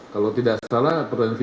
kalau tidak salah